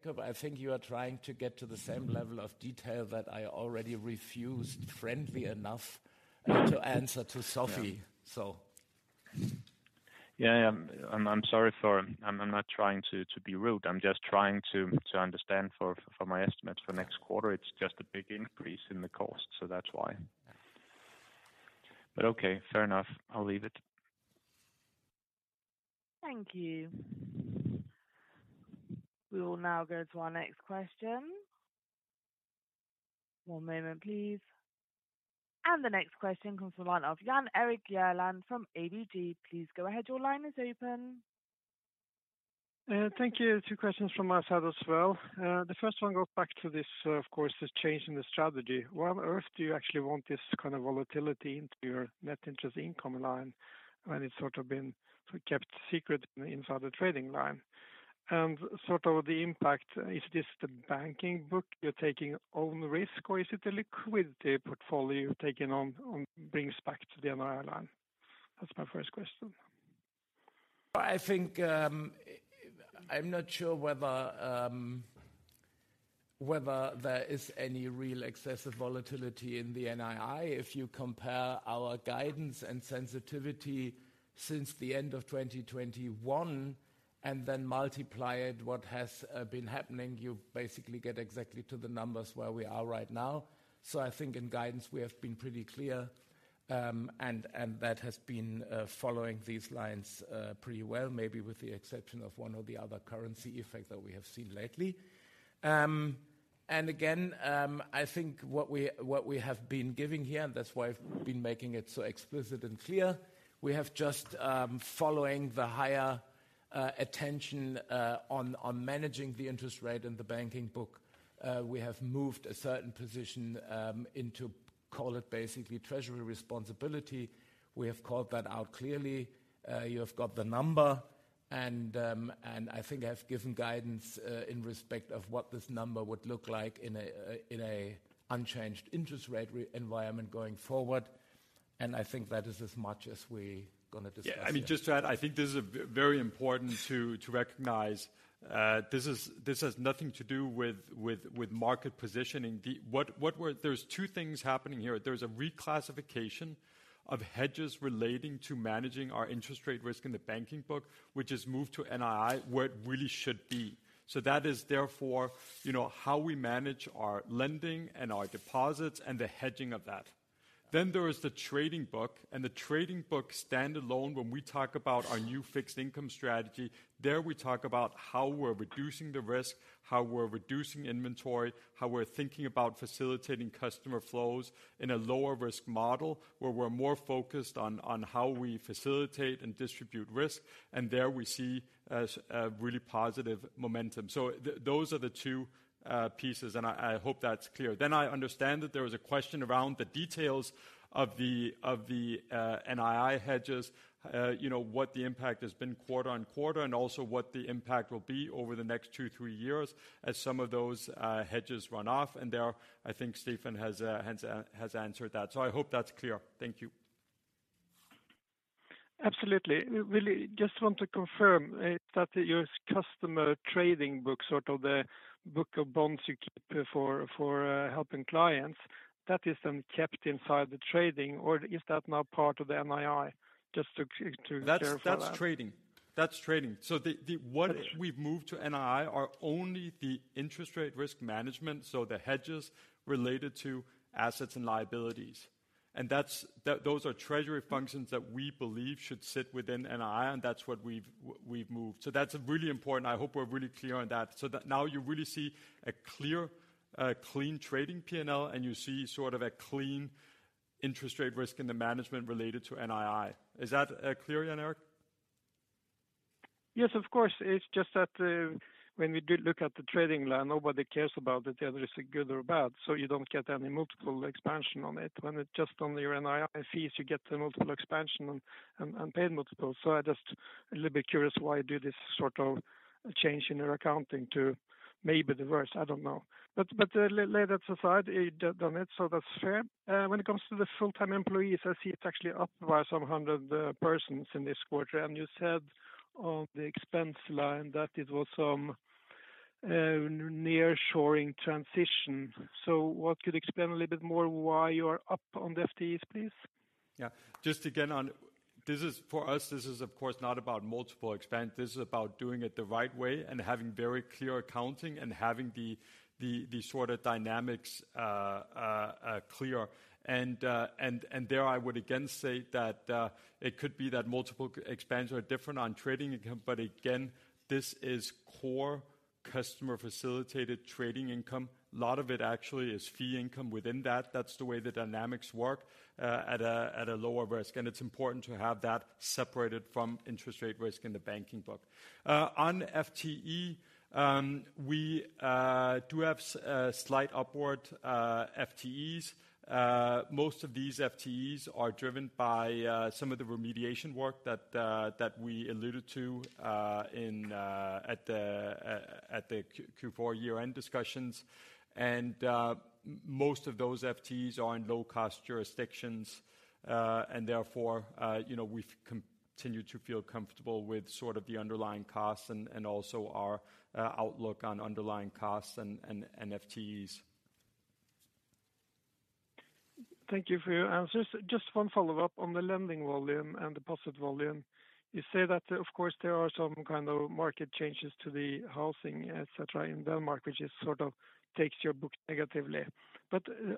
Jakob, I think you are trying to get to the same level of detail that I already refused friendly enough to answer to Sofie. Yeah. Yeah. I'm sorry for—I'm not trying to be rude. I'm just trying to understand for my estimate for next quarter. It's just a big increase in the cost, that's why. Okay, fair enough. I'll leave it. Thank you. We will now go to our next question. One moment, please. The next question comes from one of Jan Erik Gjerland from ABG. Please go ahead. Your line is open. Thank you. Two questions from my side as well. The first one goes back to this, of course, this change in the strategy. Why on earth do you actually want this kind of volatility into your net interest income line when it's sort of been kept secret inside the trading line? Sort of the impact, is this the banking book you're taking own risk, or is it the liquidity portfolio you're taking on brings back to the NII line? That's my first question. I think, I'm not sure whether there is any real excessive volatility in the NII. If you compare our guidance and sensitivity since the end of 2021 and then multiply it what has been happening, you basically get exactly to the numbers where we are right now. I think in guidance we have been pretty clear, and that has been following these lines pretty well, maybe with the exception of one or the other currency effect that we have seen lately. Again, I think what we, what we have been giving here, and that's why I've been making it so explicit and clear, we have just, following the higher attention on managing the interest rate in the banking book, we have moved a certain position into, call it basically Treasury responsibility. We have called that out clearly. you have got the number and, I think I've given guidance, in respect of what this number would look like in a, in a unchanged interest rate environment going forward. I think that is as much as we gonna discuss it. Yeah. I mean, just to add, I think this is a very important to recognize. This has nothing to do with market positioning. What we're—there's two things happening here. There's a reclassification of hedges relating to managing our interest rate risk in the banking book, which has moved to NII, where it really should be. That is therefore, you know, how we manage our lending and our deposits and the hedging of that. There is the trading book, and the trading book standalone when we talk about our new fixed income strategy. There we talk about how we're reducing the risk, how we're reducing inventory, how we're thinking about facilitating customer flows in a lower risk model, where we're more focused on how we facilitate and distribute risk. There we see as a really positive momentum. Those are the two pieces, and I hope that's clear. I understand that there was a question around the details of the, of the NII hedges. You know, what the impact has been quarter-on-quarter, and also what the impact will be over the next two, three years as some of those hedges run off. There, I think Stephan has answered that. I hope that's clear. Thank you. Absolutely. Really just want to confirm that your customer trading book, sort of the book of bonds you keep for helping clients, that is then kept inside the trading or is that now part of the NII? Just to clarify. That's trading. That's trading. The what we've moved to NII are only the interest rate risk management, so the hedges related to assets and liabilities. Those are Treasury functions that we believe should sit within NII, and that's what we've moved. That's really important. I hope we're really clear on that. That now you really see a clear, clean trading P&L, and you see sort of a clean interest rate risk in the management related to NII. Is that clear, Jan Erik? Yes, of course. It's just that, when you do look at the trading line, nobody cares about it, whether it's good or bad, so you don't get any multiple expansion on it. When it's just on your NII fees, you get the multiple expansion and paid multiples. I'm just a little bit curious why you do this sort of change in your accounting to maybe diverse. I don't know. Lay that aside. You've done it, so that's fair. When it comes to the full-time employees, I see it's actually up by some 100 persons in this quarter, and you said on the expense line that it was some nearshoring transition. What could you expand a little bit more why you are up on the FTEs, please? Just again, on. This is for us, this is of course not about multiple expense. This is about doing it the right way and having very clear accounting and having the sort of dynamics clear. There I would again say that it could be that multiple expense are different on trading income, but again this is core customer-facilitated trading income. A lot of it actually is fee income within that. That's the way the dynamics work at a lower risk, and it's important to have that separated from interest rate risk in the banking book. On FTE, we do have slight upward FTEs. Most of these FTEs are driven by some of the remediation work that we alluded to in at the Q4 year-end discussions. Most of those FTEs are in low-cost jurisdictions, and therefore, you know, we've continued to feel comfortable with sort of the underlying costs and also our outlook on underlying costs and FTEs. Thank you for your answers. Just one follow-up on the lending volume and deposit volume. You say that of course there are some kind of market changes to the housing, et cetera, in Denmark, which is sort of takes your book negatively.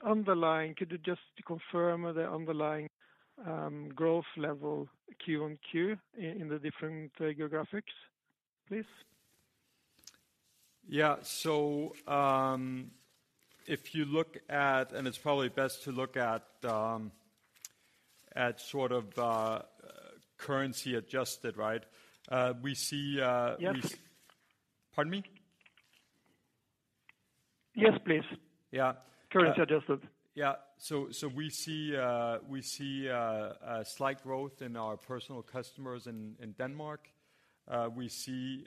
Underlying, could you just confirm the underlying growth level QoQ in the different geographics, please? Yeah. It's probably best to look at sort of, currency adjusted, right? Yes.— [inaudible] Pardon me? Yes, please. Yeah. Currency adjusted. Yeah. We see slight growth in our Personal Customers in Denmark. We see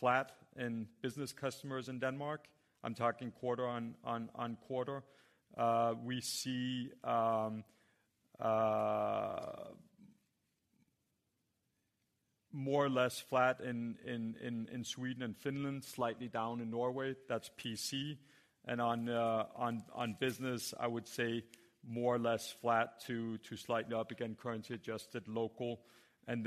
flat in Business Customers in Denmark. I'm talking quarter-on-quarter. We see more or less flat in Sweden and Finland, slightly down in Norway. That's PC. On Business, I would say more or less flat to slightly up, again, currency adjusted local. On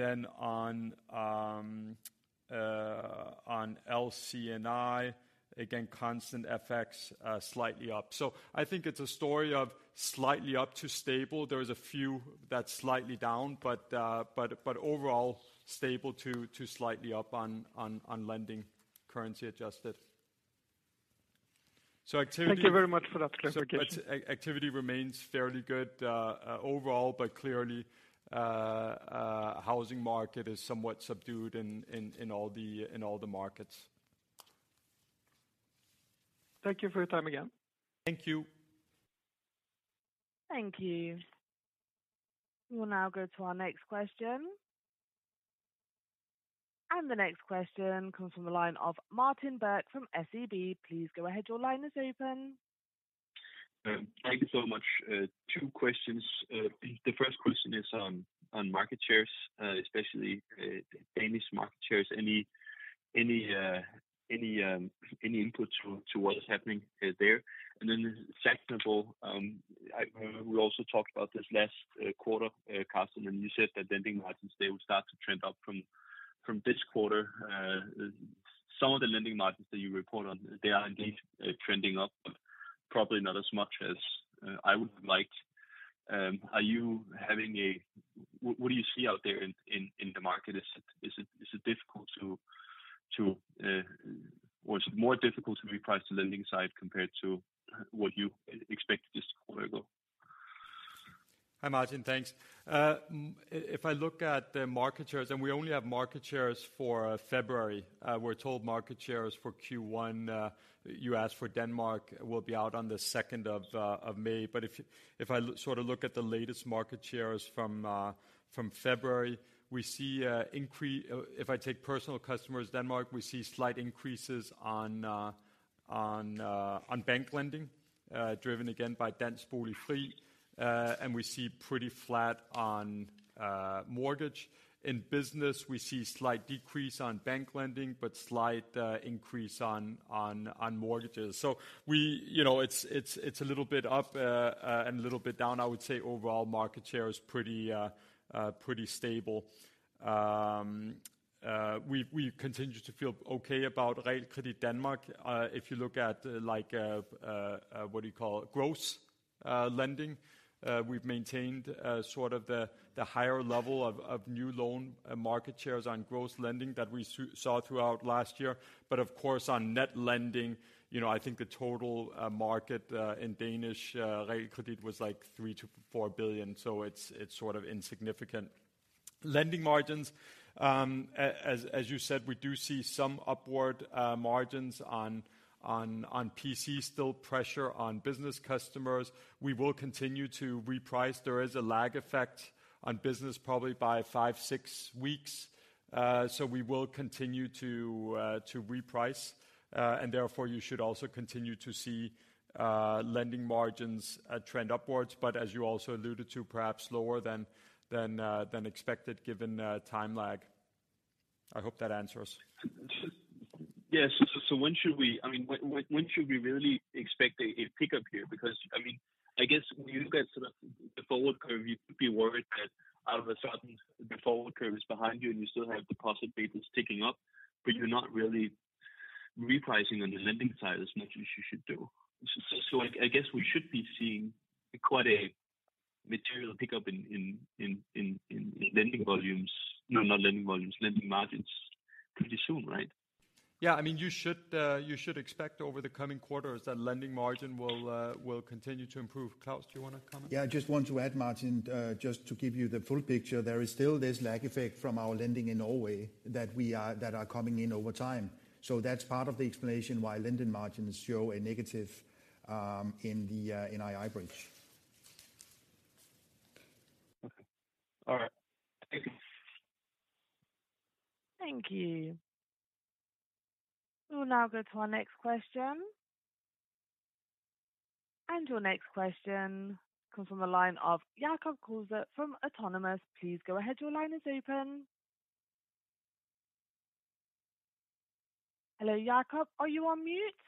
LC&I, again, constant FX, slightly up. I think it's a story of slightly up to stable. There is a few that's slightly down, but overall stable to slightly up on lending currency adjusted. Thank you very much for that clarification. Activity remains fairly good, overall, but clearly, housing market is somewhat subdued in all the markets. Thank you for your time again. Thank you. Thank you. We'll now go to our next question. The next question comes from the line of Martin Birk from SEB. Please go ahead. Your line is open. Thank you so much. Two questions, please. The first question is on market shares, especially Danish market shares. Any inputs to what is happening there? Second of all, we also talked about this last quarter, Carsten, and you said that lending margins, they would start to trend up from this quarter. Some of the lending margins that you report on, they are indeed trending up, but probably not as much as I would like. What do you see out there in the market? Is it difficult to, or is it more difficult to reprice the lending side compared to what you expected just a quarter ago? Hi, Martin. Thanks. If I look at the market shares, we only have market shares for February. We're told market shares for Q1, you asked for Denmark, will be out on the 2nd of May. If I sort of look at the latest market shares from February, if I take Personal Customers Denmark, we see slight increases on bank lending, driven again by Danske Bolig Fri. We see pretty flat on mortgage. In Business, we see slight decrease on bank lending, but slight increase on mortgages. We, you know, it's a little bit up and a little bit down. I would say overall market share is pretty stable. We've continued to feel okay about Realkredit Danmark. If you look at like, what do you call it? Gross lending, we've maintained sort of the higher level of new loan market shares on gross lending that we saw throughout last year. Of course, on net lending, you know, I think the total market in Danish Realkredit was like 3 billion-4 billion, so it's sort of insignificant. Lending margins, as you said, we do see some upward margins on BC, still pressure on Business Customers. We will continue to reprice. There is a lag effect on Business probably by five, six weeks. We will continue to reprice, and therefore you should also continue to see lending margins trend upwards, but as you also alluded to, perhaps lower than expected, given the time lag. I hope that answers. So when should we, I mean, when should we really expect a pickup here? I mean, I guess when you look at sort of the forward curve, you could be worried that all of a sudden the forward curve is behind you and you still have deposit bases ticking up, but you're not really repricing on the lending side as much as you should do. So I guess we should be seeing quite a material pickup in lending volumes—no, not lending volumes, lending margins pretty soon, right? Yeah. I mean, you should expect over the coming quarters that lending margin will continue to improve. Claus, do you wanna comment? I just want to add, Martin, just to give you the full picture, there is still this lag effect from our lending in Norway that are coming in over time. That's part of the explanation why lending margins show a negative in the NII bridge. Okay. All right. Thank you. Thank you. We'll now go to our next question. Your next question comes from the line of Jakob Kruse from Autonomous. Please go ahead. Your line is open. Hello, Jakob. Are you on mute?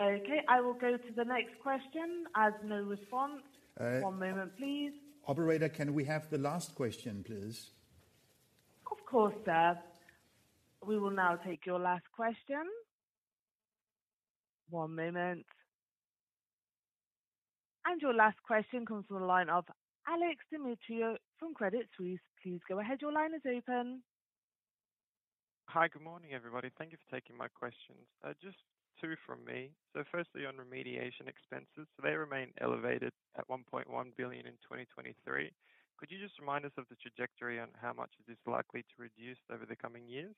Okay, I will go to the next question as no response. Uh— One moment please. Operator, can we have the last question, please? Of course, sir. We will now take your last question. One moment. Your last question comes from the line of Alex Demetriou from Credit Suisse. Please go ahead. Your line is open. Hi. Good morning, everybody. Thank you for taking my questions. Just two from me. firstly, on remediation expenses, they remain elevated at 1.1 billion in 2023. Could you just remind us of the trajectory on how much it is likely to reduce over the coming years?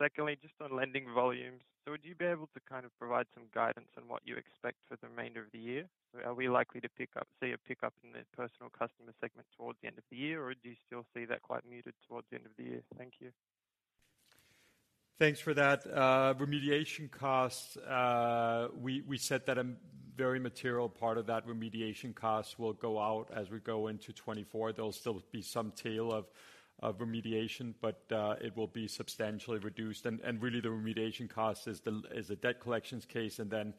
secondly, just on lending volumes. would you be able to kind of provide some guidance on what you expect for the remainder of the year? Are we likely to see a pickup in the Personal Customers segment towards the end of the year, or do you still see that quite muted towards the end of the year? Thank you. Thanks for that. Remediation costs, we said that a very material part of that remediation cost will go out as we go into 2024. There'll still be some tail of remediation, but it will be substantially reduced. Really the remediation cost is the debt collections case and then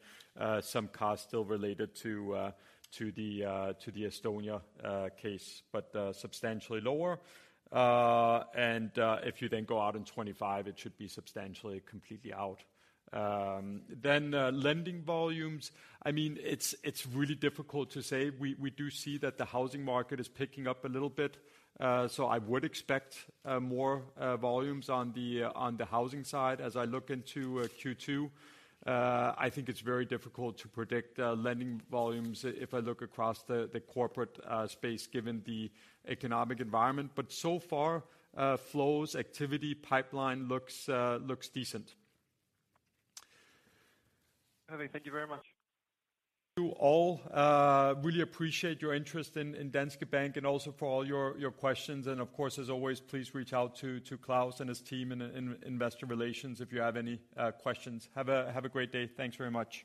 some costs still related to the Estonia case, but substantially lower. If you then go out in 2025, it should be substantially completely out. Lending volumes, I mean, it's really difficult to say. We do see that the housing market is picking up a little bit, so I would expect more volumes on the housing side as I look into Q2. I think it's very difficult to predict, lending volumes if I look across the corporate space given the economic environment. So far, flows, activity, pipeline looks decent. Okay. Thank you very much. You all really appreciate your interest in Danske Bank and also for all your questions. Of course, as always, please reach out to Claus and his team in investor relations if you have any questions. Have a great day. Thanks very much.